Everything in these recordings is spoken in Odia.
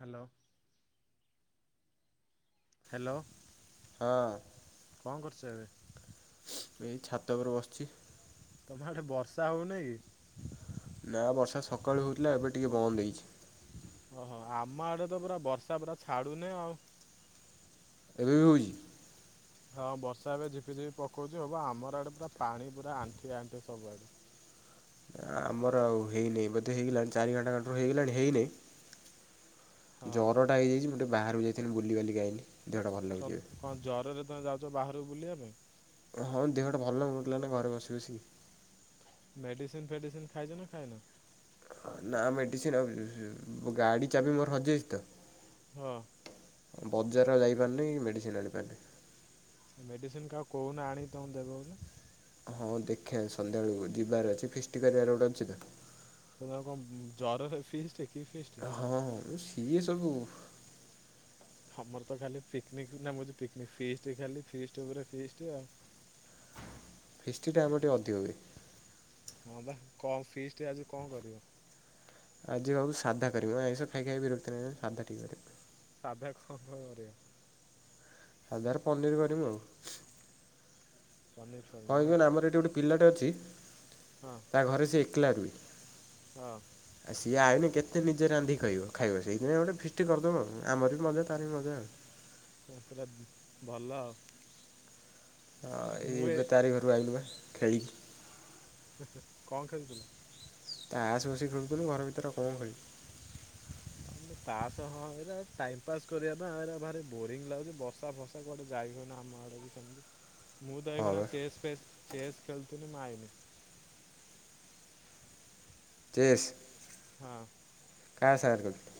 ହ୍ୟାଲୋ। ହ୍ୟାଲୋ। ହଁ। କଣ କରୁଛ ଏବେ? ଏଇ ଛାତ ଉପରେ ବସିଛି। ତମ ଆଡେ ବର୍ଷା ହଉନି କି? ନା ବର୍ଷା ସକାଳୁ ହଉଥିଲା ଏବେ ଟିକେ ବନ୍ଦ ହେଇଛି। ଓହୋ ଆମ ଆଡେ ତ ପୁରା ବର୍ଷା ପୁରା ଛାଡୁନି ଆଉ। ଏବେ ବି ହେଉଛି? ହଁ ବର୍ଷା ଏବେ ଝିପିଝିପି ପକଉଛି ହବ ଆମର ଆଡେ ପୁରା ପାଣି ପୁରା ଆଣ୍ଠି ଆଣ୍ଠି ସବୁଆଡେ। ଆମର ଆଉ ହେଇନାହିଁ ବୋଧେ ହେଇଗଲାଣି ଚାରି ଘଣ୍ଟା ଘାରୁ ହେଇଗଲାଣି ହେଇନାହିଁ ହଁ ଜର ଟା ହେଇଯାଇଛି ମୁଁଟେ ବାହାରକୁ ଯାଇଥିଲି ବୁଲିିବାଲିିକି ଆଇଲି। ଦେହଟା ଭଲ କ ଲାଗୁଛି ଏବେ କଣ ଜ୍ୱରରେ ତମେ ଯାଉଛ ବାହାରକୁ ବୁଲିବା ପାଇଁ? ହଁ ଦେହଟା ଭଲ ଲାଗୁନଥିଲା ନା ଘରେ ବସି ବସି। ମେଡିସିନ ଫେଡିସିନ ଖାଇଛ ନା ଖାଇନ? ନା ମେଡିସିନ ଗାଡି ଚାବି ମୋର ହଜିଯାଇଛି ତ। ହଁ। ବଜାର ଆଉ ଯାଇପାରିନି ମେଡିସିନ ଆଣିପାରିନି। ମେଡିସିନ କାହାକୁ କହୁନ ଆଣିକି ତମକୁ ଦେବ ବୋଲି। ହଁ ଦେଖିଆ ସନ୍ଧ୍ୟାବେଳକୁ ଯିବାର ଅଛି ଫିଷ୍ଟି କରିବାର ଗୋଟ ଅଛି ତ। ତୁମେ କଣ ଉଁ ଜରରେ ଫିଷ୍ଟ କି ଫିଷ୍ଟ୍? ହଁ ହଁ ସିଏ ସବୁ ତମର ତ ଖାଲି ପିକନିକ୍ ନା ମୁଁ କହୁଚି ପିକନିକ୍ ଫିଷ୍ଟ ଖାଲି ଫିଷ୍ଟ ଉପରେ ଫିଷ୍ଟ ଆଉ। [inaudible] ଫିଷ୍ଟଟା ଆମର ଟିକେ ଅଧିକ ହୁଏ। ହଁ ବା କଣ ଫିଷ୍ଟ ଆଜି କଣ କରିବ? ଆଜି ଭାବୁଚି ସାଧା କରିବୁ ଆଇଁଷ ଖାଇ ଖାଇ ବିରକ୍ତ ଲାଗିଲାଣି ସାଧା ଟିକେ କରିବୁ। ସାଧା କଣ କଣ କରିବ? ସାଧାରେ ପନିର କରିମୁ ଆଉ। କ'ଣ ପନିର୍ କହିବିନା ଆମର ଏଠି ଗୋଟେ ପିଲାଟେ ଅଛି ହଁ ତା ଘରେ ସେ ଏକେଲା ରୁଏ। ହଁ ଆଉ ସିଏ ଆଇନେ କେତେ ନିଜେ ରାନ୍ଧି ଖାଇବ ଖାଇବ ସେଇଥିପାଇଁ ଆମେ ଗୋଟେ ଫିଷ୍ଟି କରଦମୁ ଆଉ ଆମର ବି ମଜା ତାର ବି ମଜା ଆଉ। ସେ ପୁରା ଉଁ ଭଲ। ହଁ ମୁଁ ଏଇ ଏ ଏବେ ତାରି ଘରୁ ଆଇଲୁ ବା ଖେଳିକି। କଣ ଖେଳୁଥିଲ? ତାସ ବସିକି ଖେଳୁଥିଲୁ ଘର ଭିତରେ ଆଉ କଣ ଖେଳୁ ହଁ ତାସ ହଁ ଏଇରେ ଟାଇମ ପାସ୍ କରିବା ବା ଆଉ ଏଇରା ଭାରି ବୋରିଂ ଲାଗୁଛି ବଷ୍ ର୍ଷା ଫର୍ଷା କୁଆଡେ ଯାଇ ହଉନି ଆମ ଆଡେ ବି ସେମିତି। ମୁଁ ତ ହଁ ଏଇଖୁନା ବା ଚେସ୍ ଫେସ୍ ଚେସ୍ ଖେଳୁଥିନି ମୁଁ ଆଇନି। ଚେସ୍ ହଁ କାହା ସାଙ୍ଗେରେ [unintelligible]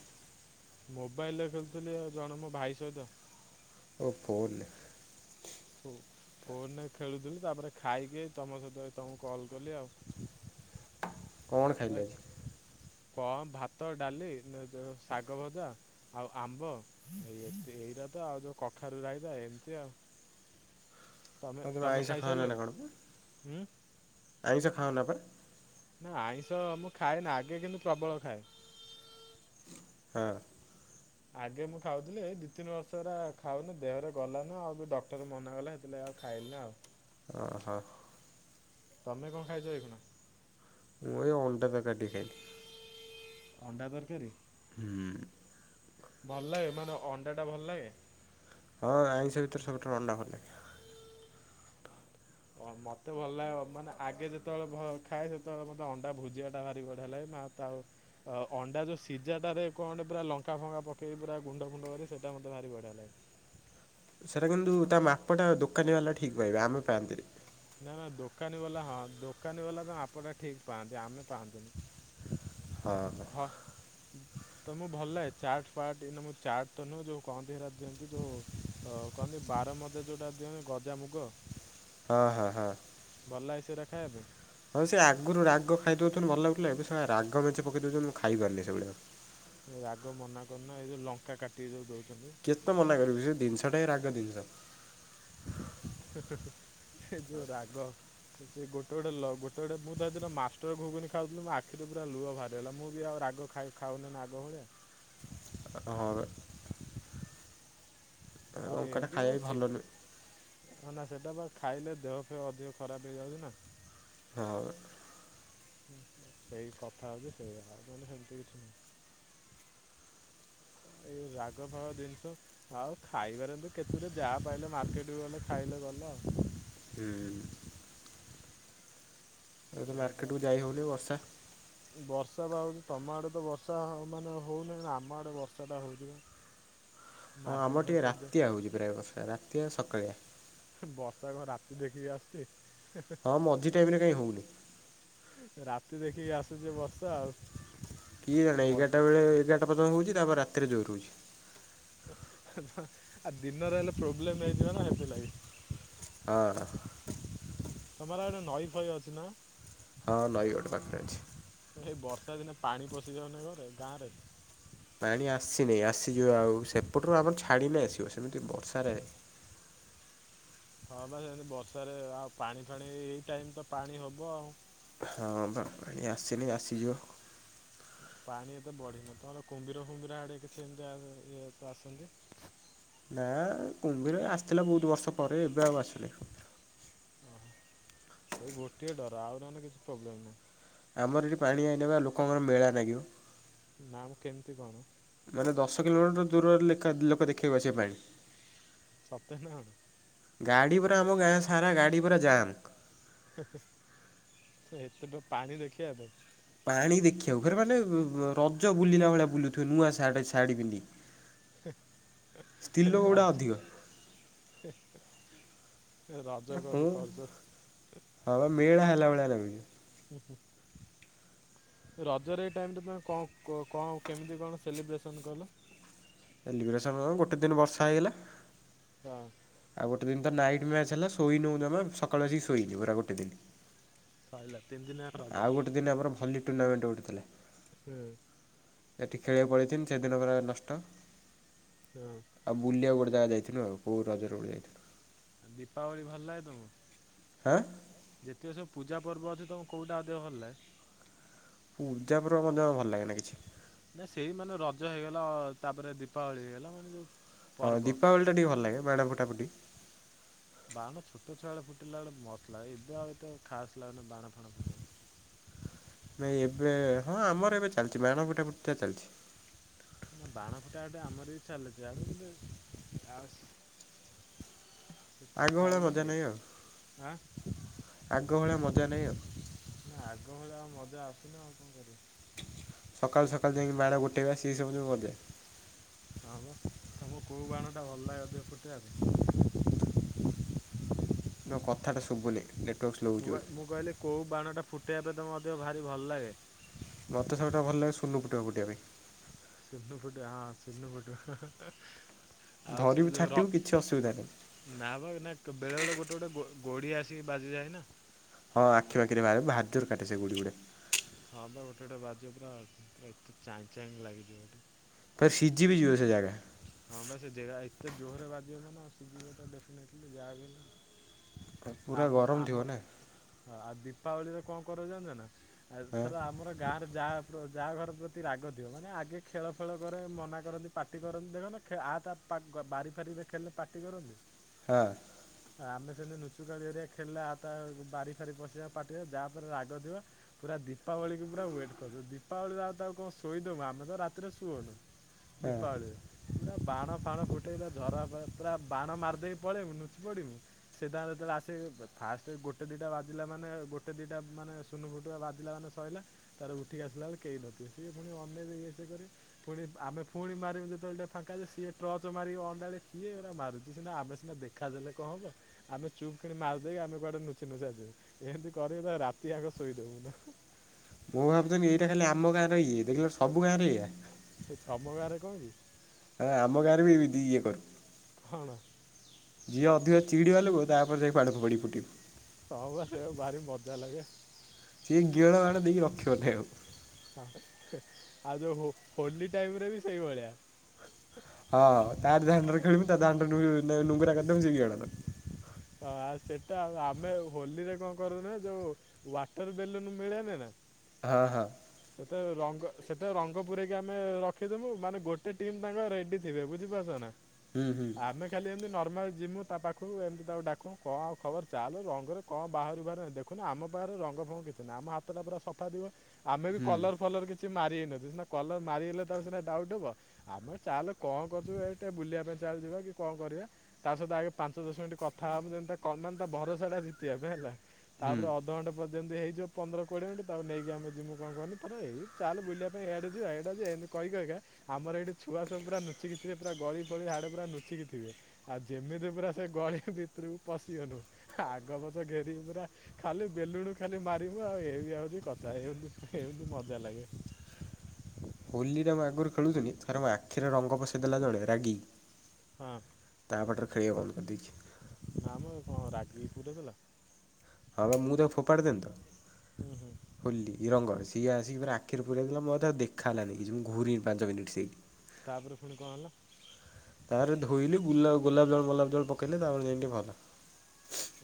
ମୋବାଇଲରେ ଖେଳୁଥିଲି ଜଣେ ମୋ ଭାଇ ସହିତ। ଓ ଫୋନ ଲେ। ଫୋ-ଫୋନରେ ଖେଳୁଥିଲି ତାପରେ ଖାଇକି ତମ ସହିତ ଏଇ ତମୁକୁ କଲ୍ କଲି ଆଉ। କ'ଣ ଖାଇଲେ ତାକ୍ ଆଜି କଣ ଭାତ, ଡାଲି ଉଁ ଯୋଉ ଶାଗ ଭଜା ଆଉ ଆମ୍ବ। ଏତେ ଏଇଟା ତ ଆଉ ଯୋଉ କଖାରୁ ରାଇତା ଏମତି ଆଉ। ତମେ ହଁ ତୁମେ ତମେ ଆଇଁଷ ଖାାଉନ ନା ଖାଇସାରିଲଣି କଣ ପା, ହୁଁ ଆଇଁଷ ଖାଅନା ପା? ନା ଆଇଁଷ ମୁଁ ଖାଏନା ଆଗେ କିନ୍ତୁ ପ୍ରବଳ ଖାଏ। ହଁ। ଆଗେ ମୁଁ ଖାଉଥିଲି ଏଇ ଦି ତିନି ବର୍ଷ ହେଲା ଖାଉନି ଦେହରେ ଗଲାନି ଆଉ ବି ଡକ୍ଟର ମନା କଲେ ସେଥିଲାଗି ଆଉ ଖାଇଲିନି ଆଉ। ଓ ହୋ। ତମେ କଣ ଖାଇଚ ଏଇଖୁନା? ମୁଁ ଏଇ ଅଣ୍ଡା ତରକାରୀ ଟିକେ ଖାଇଲି। ଅଣ୍ଡା ତରକାରୀ? ହୁଁ। ଭଲ ଲାଗେ ମାନେ ଅଣ୍ଡା ଟା ଭଲ ଲାଗେ? ହଁ ଆଇଁଷ ଭିତରେ ସବୁଠୁ ଅଣ୍ଡା ଭଲ ଲାଗେ। ଓ ହୋ ମତେ ଭଲ ଲାଗେ ଅ ମାନେ ଆଗେ ଯେତେବେଳେ ଭ ଖାଏ ସେତେବେଳେ ମତେ ଅଣ୍ଡା ଭୁଜିଆ ଟା ଭାରି ବଢିଆ ଲାଗେ ମୁଁ ଆଉ ତ ଆଉ ଆଉ ଅଣ୍ଡା ଯୋଉ ସିଝାଟାରେ କଣଟେ ପୁରା ଲଙ୍କା ଫଙ୍କା ପକେଇକି ପୁରା ଗୁଣ୍ଡ ଗୁଣ୍ଡ କରି ସେଇଟା ମତେ ଭାରି ବଢିଆ ଲାଗେ। ସେଇଟା କିନ୍ତୁ ତା ମାପଟା ଦୋକାନୀ ବାଲା ଠିକ୍ ପାଇବେ ଆମେ ପାଆନ୍ତିନି। ନା ନା ଦୋକାନୀ ବାଲା ହଁ ଦୋକାନୀ ବାଲା ତା ମାପଟା ଠିକ୍ ପାଆନ୍ତି ଆମେ ପାଆନ୍ତିନି। ହଁ। ହଁ ଅ ହୁଁ। ତମୁକୁ ଭଲ ଲାଗେ ଚାଟ୍ ଫାଟ୍ ଏଇନ ମୁଁ ଚାଟ୍ ତ ନୁହଁ ଯୋଉ କହନ୍ତି ସେଇରା ଦିଅନ୍ତି ଯୋଉ ହଉ କହନ୍ତି ବାର ମଜା ଯୋଉଟା ଦିଅନ୍ତି ଗଜାମୁଗ। ହଁ, ହଁ, ହଁ ଭଲ ଲାଗେ ସେଇରା ଖାଇବା ପାଇଁ। ହଉ ସେ ଆଗରୁ ରାଗ ଖାଇଦଉଥୁନୁ ଭଲ ଲାଗୁଥିଲା। ଏବେ ସ ଲା ରାଗେ ମେଞ୍ଚେ ପକେଇ ଦଉଚନ୍ତିଇ ମୁଁ ଖାଇ ପାରୁନି। ସେଭଳିଆଉ। ରାଗ ମନା କରୁନା, ଏଇ ଯୋଉ ଲଙ୍କା କାଟିକି ଯୋଉ ଦଉଛନ୍ତି। କେତେ ମନା କରିବୁ, ସେ ଜିନିଷ ଟା ରାଗ ଦିନିସ। ସେ ଯୋଉ ରାଗ। ସେ ଗୋଟେ ଗଟେ ଲ ଗୋଟେ ଗୋଟେ ମୁଁ ତାରେ ମାଷ୍ଟର ଘୁଗୁନି ଖାଉଥିଲି, ମୋ ଆଖିରେ ପୁରା ଲୁହ ବାହାରି ଗଲା। ମୁଁ ବି ଆ ରାଗ ଖାଇ ଖାଉନି ନା ଆଗ ଭଳିଆ। ହ। ଆଉ ଲଙ୍କାଟା ଏମିତି ଖାଇବା ଆଉ ବି ଭଲ ସି। ନୁହେଁ ହଁ ନା ସେଟା ବା ଖାଇଲେ ଦେହ ଫେହ ଅଧିକ ଖରାପ ହେଇଯାଉଛି ନା। ହଉ। ସେଇ କଥା ହଉଛି ସେଇଆ, ନହେଲେ ସେମିତି କିଛି ନାହିଁ। ଏଇ ରାଗ ଫଳ ଜିନିଷ। ଆଉ ଖାଇପାରନ୍ତୁ କେତୁରେ ଯାହା ପାଇଲେ ମାର୍କେଟ କୁ ଗଲେ ଖାଇଲେ ଗଲା ଆଉ। ହୁଁ। ଏବେ ତ ଏଇ ହଉଛି ମାର୍କେଟକୁ ଯାଇହଉନି ବର୍ଷା। ବର୍ଷା ବା ହଉଛି ତମ ଆଡେ ତ ବର୍ଷା ମାନେ ହଉନହି ଆମ ଆଡେ ବର୍ଷା ଟା ହଉଛି ନା। [inaudible] ହଁ ଆମର ଟିକେ ରାତିଆ ହେଉଛି ପ୍ରାୟ ବର୍ଷା ରାତିଆ ସକାଳେଆ। ହୁ ବର୍ଷା କଣ ରାତି ଦେଖିକି ଆସୁଛି। ହଁ, ମଝି ଟାଇମରେ କାହିଁ ହେଉନି? ରାତି ଦେଖିକି ଆସୁଛି ବର୍ଷା ଆଉ। କିଏ ଜାଣେ ମଝି ଏଗାରଟା ବେଳେ ଏଗାରଟା ପର୍ଯ୍ୟନ୍ତ ହଉଛି ତାପରେ ରାତିରେ ଜୋରେ ହଉଛି। ଆ ଦିନରେ ହେଲେ ପ୍ରୋବ୍ଲେମ ହେଇଯିବ ନା ସେଥିଲାଗି। ହଁ। ତମର ଆଡେ ନଈ ଫଇ ଅଛି ନା।? ହଁ ନଈ ଗୋଟେ ପାଖରେ ଅଛି। ତ ସେଇ ବର୍ଷା ଦିନେ ପାଣି ପଶିଯାଉନି ଘରେ ଗାଁ ରେ। ପାଣି ଆସିନେଇ ଆସିଯିବ ଆଉ ସେପଟରୁ ଆମର ଛାଡ଼ିନେ ଆସିବ ସେମିତି ବର୍ଷାରେ ହଁ ବା ସେମିତି ବର୍ଷାରେ ଆଉ ପାଣି ଫାଣି ଏଇ ଟାଇମ ତ ପାଣି ହବ ଆଉ। ହଁ ପା ପାଣି ଆସିନି ଆସିଯିବ। ପାଣି ଏତେ ବଢିନି ତମର କୁମ୍ଭୀର ଫୁମ୍ବିର ଆଡେ କିଛି ଏମିତି ଇଏ ତ ଆସନ୍ତି। ନା କୁମ୍ଭୀର ଆସିଥିଲା ବହୁତ ବର୍ଷ ପରେ ଏବେ ଆଉ ଆସିନି। ଏଇ ଗୋଟିଏ ଡର, ଆଉ ନହେଲେ କିଛି ପ୍ରୋବ୍ଲେମ୍ ନାହିଁ। ଆମର ଏଠି ପାଣି ଆଇଲେ ବା ଲୋକଙ୍କର ମେଳା ଲାଗିବ। ନାମ କେମିତି କଣ? ମାନେ ଦଶ କିଲୋମିଟର ଦୂରରେ ଲେକା ଲୋକ ଦେଖି ବାକୁ ଆସିବେ ପାଣି। ସତେ ନା କଣ? ଗାଡ଼ି ପୁରା ଆମ ଗାଁ ସାରା ଗାଡ଼ି ପୁରା ଜାମ୍। ହେ ହେ ଏତେବେ ପାଣି ଦେଖିବା ପାଇଁ। ପାଣି ଦେଖିବାକୁ ଫରେ ମାନେ ରଜ ବୁଲିଲା ଭଳିଆ ବୁଲୁଥିବେ ନୂଆ। ଥା ଡେ ଶାଢ଼ୀ ପିନ୍ଧି କି ସ୍ତ୍ରୀ ଲୋକଗୁଡା ଅଧିକ। ହେ ହେ ଏ ରଜ ପୁରା କଣ ପରି କରିଛ ହଁ ବା ମେଳା ହେଲା ଭଳିଆ ଲାଗୁଛି। ହ ହ ରଜରେ ଏ ଟାଇମ ରେ ତମେ କ କଣ କେମିତି କଣ ସେଲିବ୍ରେସନ କଲ? ଲିଡ୍ ଶାଆ ଗନ ଗୋଟେ ଦିନି ବର୍ଷା ହେଇଗଲେ। ହଁ। ଆଉ ଗୋଟେ ଦିନ ତ ନାଇଟ୍ ମ୍ୟାଚ ହେଲା ଶୋଇ ନଉ ଜମା ସକାଳୁ ଆସିକି ଶୋଇଲି ପୁରା ଗୋଟେ ଦିନ। ସଇଲା ତିନି ଦିନ ରଜ। ଦିନେ ଆମର ଭଲି ଟୁର୍ଣ୍ଣାମେଣ୍ଟ ଉଠିଥିଲା। ହୁଁ। ଏଠି ଖେଳିବାକୁ ପଳେଇଥିନି ସେଦିନ ପୁରା ନଷ୍ଟ ହଁ। ଆଉ ବୁଲିବାକୁ ଗୋଟେ ଜାଗା ଯାଇଥିନୁ, ଆଉ କୋଉ ରଜରେ ଗୋଟେ ଯାଇଥି ଦୀପାବଳି ଭଲ ଲାଗେ ତମକୁ? ଆ ଯେତିକ ସବୁ ପୂଜା ପର୍ବ ଅଛି ତମକୁ କୋଉଟା ଅଧିକ ଭଲ ଲାଗେ? ପୂଜା ପର୍ବ ମତେ ଭଲ ଲାଗେନା କିଛି। ନା ସେଇ ମାନେ ରଜ ହେଇଗଲା ତାପରେ ଦୀପାବଳି ହେଇଗଲା ହଁ ପର୍ବ ଦୀପାବଳି ଟା ଟିକେ ଭଲ ଲାଗେ, ବାଣ ଫୁଟା ଫୁଟି ବାଣ ଟା ଛୋଟ ଛୁଆବେଳେ ଫୁଟେଇଲା ବେଳେ ମସ୍ତ ଲାଗେ। ଏବେ ଆଉ ଏତେ ଖାସ ଲାଗୁନି ବାଣ ଫାଣ ଫୁଟେ ନାଇଁ ଏବେ, ହଁ ଆମର ଏବେ ଚାଲିଛି ବାଣ ଫୁଟା ଫୁଟି ତ ଚାଲିଛି। ବାଣ ଫୁଟା ଫୁଟି ଆମର ବି ଚାଲିଛି ୟାଡେ କିନ୍ତୁ ଆସ ସେ ଆଗ କଥା ଭଳିଆ ହଉଛି ମଜା ନାହିଁ ଆଉ ସେଇ-ଆଁ। ଆଗ ଭଳିଆ ମଜା ନାହିଁ ଆଉ। ନା ଆଗ ଭଳିଆ ଆଉ ମଜା ଆସୁନି ଆଉ କଣ କରିବା। ସକାଳୁ ସକାଳୁ ଯାଇକି ବାଣ ଗୋଟେଇବା ସେ ସବୁ ଯୋଉ ମଜା ହଁମ ତମକୁ କୋଉ ବାଣ ଟା ଭଲ ଲାଗେ ଅଧିକ ଫୁଟେଇବା ପାଇଁ? ତମ କଥାଟା ଶୁଭୁନି ନେ ମୁଁ କହି- ମୁଁ କହିଲି କୋଉ ବାଣଟା ଫୁଟାଇବା ପାଇଁ ତମକୁ ଅଧିକ ଭାରି ଭଲ ଲାଗେ? ମତେ ସବୁଠାରୁ ଭଲ ଲାଗେ ଶୁନୁଫୁଟୁକା ଫୁଟେଇବା ପାଇଁ। ଶୁନୁଫୁଟୁକା ହଁ ଶୁନୁଫୁଟୁ ହଁ ହଁ ଧରିବୁ ଛାଟିବୁ କିଛି ଅସୁବିଧା ନାହିଁ। ନାବା, ନା ବେଳେ ବେଳେ, ଗୋଟେ ଗୋଟେ, ଗୋଡି ଆସିକି ବାଜିଯାଏ ନା। ହଁ ଆଖିପଖିରେ ବାଜେ ଭାରି ଜୋରେ କାଟେ ସେ ଗୋଡ଼ି ଗୁଡ଼ା। ହଁ ବା ଗୋଟେ ଗୋଟେ ବାଜିବ ପୁରା ପୁରା ଏତେ ଚାହିଁ ଚାହିଁ ଲାଗିଯିବ ଗୋଟେ ପୁରା ସିଝିବି ଜୀବ ସେ ଜାଗା ହଁ ବା ସେ ଜାଗା ଏତେ ଜୋରରେ ବାଜିବ ମାନେ ଆଉ ସିଝିବ ତ ଡେଫିନେଟ ଯାହାବି ହେନେ ପୁରା ଆମର ଗରମ ଥିବ ଆମର, ନା ଆଉ ଦୀପାବଳିରେ କଣ କରୁ ଜାଣିଛନା? ହଁ ଏଥର ଆମର ଗାଁରେ ଯାହା, ଯାହା ଘର ପ୍ରତି ରାଗ ଥିବ, ମାନେ ଆଗେ ଖେଳ ଫେଳ କରେ ମନ ମନା କରନ୍ତି, ପାଟି କରନ୍ତି। ଦେଖ ନା ଆ ତା ବାରି ଫାରିରେ ଖେଳିଲେ ପାଟି କରନ୍ତି ହଁ। [inaudible] ଆମେ ସେମିତି ନୁଚୁକାଳି ହେରିକା ଖେଳିଲେ, ଆ ତା ବାରି ଫାରି ପଶିବା ପାଟିବା ଯାହା ଉପରେ ରାଗ ଥିବ ପୁରା ଦୀପାବଳିକୁ ପୁରା ୱେଟ୍ କରିଚୁ। ଦୀପାବଳିରେ ଆଉ ତାକୁ କଣ ଶୋଇଦବୁ, ଆମେ ତ ରାତିରେ ସୁଅଉନୁ। ହଁ ଦୀପାବଳିରେ ପୁରା ବାଣ ଫାଣ ଫୁଟେଇକି, ଝରା ପୁରା ବାଣ ମାରିଦେଇକି ପଳେଇମୁ ନୁଚି ପଡିମୁ ସିଧା ଯେତେବେଳେ ଆସେ ଫାଷ୍ଟ ଗୋଟେ ଦିଟା ବାଜିଲା ମାନେ, ଗୋଟେ ଦିଟା ମାନେ ସୁୂନୁ ଫୁଟୁକା ବାଜିଲା ମାନେ ସଇଲା, ତାର ଉଠିକି ଆସିଲା ବେଳେ କେହି ନଥିବେ। ସିଏ ପୁଣି ଅନେଇବେ ଇଏ ସିଏ କରି ପୁଣି ଆମେ ପୁଣି ମାରିମୁଁ ଯେତେବେଳେ ଟିକେ ଫାଙ୍କା ହେଇ ଯିବ, ସିଏ ଟର୍ଚ ମାରିକି ଅଣ୍ଡାଳିବେ କିଏ ଏରା ମାରୁଛି, ସିନା ଆମେ ସିନା ଦେଖାଦେଲେ କଣ ହେବ। ଆମେ ଚୁପ୍ କିନି ମାରିଦେଇ ଆମେ କୁଆଡେ ନୁଚି ନୁଚା ଯିବୁ, ଏମିତି କରି ତାକୁ ରାତି ଯାକ ଶୋଇଦବୁ ନୁ। ମୁଁ ଭାବୁଥିଲି ଏଇଟା ଖାଲି ଆମ ଗାଁ ରେ ଇଏ, ଦେଖିଲା ବେଳୁ ସବୁ ଗାଁ ରେ ଏଇଆ। ସେ ତମ ଗାଁରେ କଣ କି? ଆ, ଆମ ଗାଁରେ ବି ଏମିତି ଇଏ କରୁ। କଣ? ଯିଏ ଅଧିକ ଚିଡ଼ି ଗଲେ ତା ଉପରେ ଯାଇ କି ପାଣି ଫୋପାଡିକି ଫୁଟେଇବୁ। ହଁ ବା ସେ ଭାରି ମଜା ଲାଗେ। ସିଏ ଗିଅଳ ମାଡ଼ ଦେଇକି ରକ୍ଷିବାଥାଏ ଆଉ। ହଁ ଆଉ ଯୋଉ ହୋଲି ଟାଇମ ରେ ବି ସେଇଭଳିଆ। ହଁ ତାର ଭାଣ୍ଡଡା ଖେଳ ମି ତ ଭଣ୍ଡଡା ନୁଙ୍ଗରା ଏକଦମ ହ ଆ ସେଟା ଆମେ ହୋଲିରେ କଣ କରୁନା ଯୋଉ? ୱାଟର ବେଲୁନ ମିଳେ ନି ନା ହଁ ହଁ। ସେତେ ରଙ୍ଗ ସେତେ ରଙ୍ଗ ପୁରାଇକି ଆମେ ରଖିଦବୁ ମାନେ ଗୋଟେ ଟିମ ତାଙ୍କ ରେଡି ବେ ବୁଝିପାରୁଛ ନା ହୁଁ ହୁଁ ଆମେ ଖାଲି ଏମିତି ନର୍ମାଲ ଯିମୁ ତା ପାଖକୁ ଏମିତି ତାକୁ ଡାକୁ କଣ ଆଉ ଖବର ଚାଲ ରଙ୍ଗରେ କଣ ବାହାରକୁ ଦେଖୁ ଆମ ପାଖରେ ରଙ୍ଗ ଫଙ୍ଗ କିଛି ନାଁ ଆମ ହାତଟା ପୁରା ସଫା ଥିବ ଆମେ ବି ହୁଁ କଲର ଫଲର କିଛି ସେ ମାରି ହେଇନିବ ସିନା କଲର ମାରିଗଲେ ତା ସନା ଡାଉଟ୍ ହବ? ଆମେ ଚାଲ କଣ କରୁଛୁ ଏ ଟେ ବୁଲିବା ପାଇଁ ଚାଲ ଯିବା କି କଣ କରିବା? ତା ସହିତ ଆଗେ ପାଞ୍ଚ ଦଶ ମିନିଟ୍ କଥା ହବ ଯେମିତା ମାନେ ତା ଭରସା ଟା ଜିତିବା ପାଇଁ ହେଲା ହୁଁ। ତାପ ଅଧଘଣ୍ଟା ପର୍ମନ୍ତତିଇଯିବ ପନ୍ଦ କୋଡିଏ ମିନିଟ ତାକୁ ନେଇକିମେ ଯିମୁ କଣ କହନି ତ ଏଇ ଚାଲ ବୁଲିବା ପାଇଁ ଏଡ଼ ଯିବ ଏଡ଼ା ଏମିତି କହି ଆମର ଏଇଠି ଛୁଆ ସବୁ ପୁରାୁଚି ଥେ ପୁରା ଗଳି ଫଳି ହାଡେ ପୁରାୁଚିଥିବେ। ଆଉ ଯେମିତି ପୁରା ସେ ଗଳି ଭିତରିବକୁ ପଶିିବନୁ। ଆଗ ପଛ ଘେରିବୁ ପୁରା ଖାଲି ବେଲୁଣୁ ଖାଲି ମାରିବୁ ଆଉ ଏଇ ବି ଆଉଛି କଥା ହେଇଉନି? ଏ ବି ମଜା ଲାଗେ। ହୋଲିରେ ମୁଁ ଆଗରୁ ଖେଳୁନି ଥରେ ମୋ ଆଖିରେ ରଙ୍ଗ ବଶେଇ ଦେେଲା ଜଣେ ରାଗି ହଁ। ତା ପାଟରେ ଖେଳିବା ବନ୍ଦ କରିଦେଇଛି। ନା ମର କଣ ରାଗି ପୁରୀ ଥିଲା। ହଁ ବା ମୁଁ ତ ଫୋପାଡ଼ି ଦେନି ତ ହୁଁ ହୁଁ ହୋଲି ହଁ ରଙ୍ଗ ଅଛି। ସିଏ ଆସିକ ପୁର ଆଖିରେ ପୁରାଇ ଦେଲା ମୋତେ ଦେଖା ହୋନ କିଛି ମୁଁ ଘୁରିନି ପାଞ୍ଚ ମିନିଟ୍ ସେଇ ତାପରେ ଶୁଣି କଣ ହେଲା? ତାରେ ଧୋଇଲି ଗ ଗୋଲାପ ଜଳ ଗୋଲାପ ଜଳ ପକେଇଲେ ତାପରେ ଯଣେ ଭଲ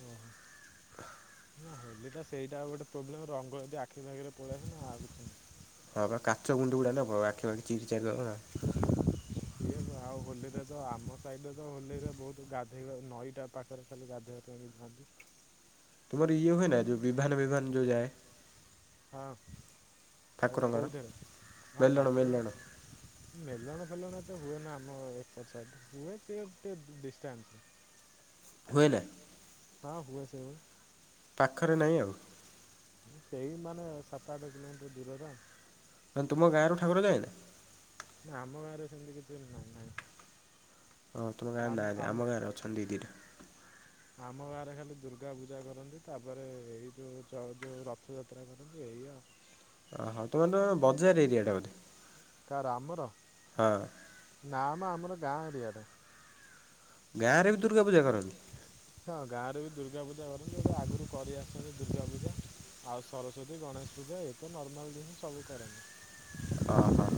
ଓ ହୋ। ନା ହୋଲି ଟା ସେଇଟା ଆଉ ଗୋଟେ ପ୍ରୋବ୍ଲେମ ରଙ୍ଗ ଯଦି ଆଖି ପାଖିରେ ପଳେଇସ ନା ଆଉ କିଛି ନାହିଁ। ହଁ କାଚ ଗୁଣ୍ଡ ଗୁଡ଼ା ନେବ ଆଖିପାଖି ଚିରି ସିଏ ଆଉ ହୋଲିରେ ତ ଆମ ସାଇଡରେ ତ ହୋଲିରେ ବହୁତ ଗାଧୋଇବା ନଈଟା ପାଖ ପାଖରେ ଖାଲି ଗାଧୋଇବା ଯାଆନ୍ତି। ତୁମର ଇଏ ହୁଏ ନା ଯେଉଁ ବିଭାନ ବିଭାନ ଯୋଉ ଯାଏ। ହଁ ହଁ ଠାକୁରଙ୍କର କୋଉଥିରେ ହଁ ମେଲଣ ଠାକୁର ମେଲଣ ମେଲଣ ଫେଲଣ ତ ହୁଏ ନା ଆମ ଏପଟ ସାଇଡ ହୁଏ ସ ଗୋଟେ ଡିଷ୍ଟାନ୍ସ ହୁଏ ନା? ହଁ ହୁଏ ସେ ପାଖରେ ନାହିଁ ଆଉ? ସେଇ ମାନେ ସାତ ଆଠ କିଲୋମିଟର ଦୂରରେ ମାନେ ତୁମ ଗାଁରୁ ଠାକୁର ଯାଏ ନା? ନା ଆମ ଗାରେ ସେମିତି କିଛି ନାହିଁ ନାଇଁ। ହଁ ତମ ଗାଁରେ ନାଁ ଆମ ଗାଁରେ ଅଛନ୍ତି ଦଦିଟା। ଆମ ଗାଁରେ ଖାଲି ଦୁର୍ଗା ପୂଜା କରନ୍ତି ତାପରେ ଏଇ ଯୋଉ ଯୋଉ ରଥଯାତ୍ରା କରନ୍ତି ଏଇ ଆଉ। [inaudible] ଓହ ତୁମର ତ ବଜାର ଏରିଆଟା ବୋଧେ ହଁ। ନାମ ଆମର ଗାଁ ଏରିଆଟା। ଗାଁରେ ବି ଦୁର୍ଗା ପୂଜା କରନ୍ତି? ହଁ ଗାଁରେ ବି ଦୁର୍ଗା ପୂଜା କରନ୍ତି ଗୋଟେ ଆଗରୁ କରି ଆସନ୍ତି ଦୁର୍ଗା ପୂଜା? ଆଉ ସରସ୍ଵତୀ ଗଣେଶ ପୂଜା ଏ ତ ନର୍ମାଲ ଜିନିଷ ସବୁ କରନ୍ତି। ଓହୋ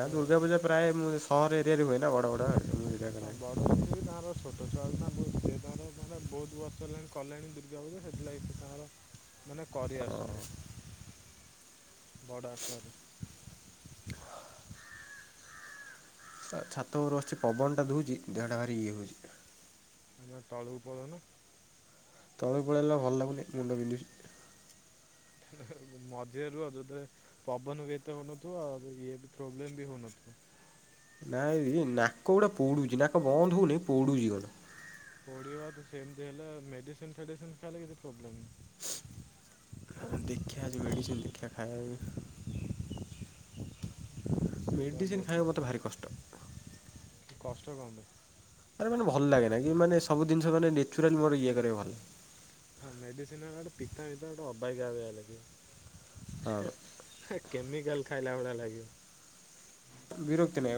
ଏ ଦୁର୍ଗା ପୂଜା ପ୍ରାୟ ମୁ ସହର ଏରିଆରେ ହୁଏ ନା ବଡ ବଡ। ହଁ ବଡ ଇଏ ବି ତାଙ୍କର ଛୋଟ ଛୁଆ ନା ସେ ତାଙ୍କର ମାନେ ବୋହୁତ ବର୍ଷ ହେଲାଣି କଲେଣି ଦୁର୍ଗା ପୂଜା ସେଥିଲାଗି ସେ ତାଙ୍କ ମାନେ କରି ଆସୁଛନ୍ତି, ବଡ ଆକାରରେ। ଛାତ ଉପରୁ ଅଛି ପବନ ଟା ଦୋଉଚି ଦେହଟା ଭାରି ଇଏ ହୋଉଚି। ତା ତଳକୁ ପଲୋଉନ। ତଳକୁ ପଳାଇଲେ ଭଲ ଲାଗୁନି ମୁଣ୍ଡ ବିନ୍ଧୁ ମଝିରେ ରୁହ [unintelligible] ପବନ ବି ଏତେ ହୋଉନଥିବ ପ୍ରୋବ୍ଲେମ ବି ହୋଉନଥିବ। ନାଇଁ ନାକ ଗୁଟେ ପୋଡ଼ୁଚି ନାକ ବନ୍ଦ ହୋଉନି ପୋଡ଼ୁଚି କ ପୋଡିବା ତ ସେମତି ହେଲା ମେଡିସିନ ଫେଡିସିନ ଖାଇଲେ କିଛି ପ୍ରୋବ୍ଲମ୍ ଦେଖିଆ ମେଡ଼ିସିନ୍ ଦେଖିଆ ଖାଇ ସେଇଟା ମୋ ମେଡିସିନ ଖାଇବା ମତେ ଭାରି କଷ୍ଟ। କଷ୍ଟ କଣ ପାଈଁ? ଆରେ ମାନେ ଭଲ ଲାଗେନା କି ମାନେ ସବୁ ଜିନିଷ ମାନେ ନେଚୁରାଲି ମୋର ଇଏ କରିବା ହଁ ମେଡିସିନ ହେଲାଠୁ ପିତା ପିତା ଗୋଟେ ଅବାଗିଆ ଅବାଗିଆ ହଁ ଲାଗେ। କେମିକାଲ ଖାଇଲା ଭଳିଆ ଲାଗିବ। ବିରୁକ୍ତି ନା